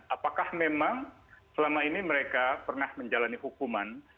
apakah memang selama ini mereka pernah menjalani hukuman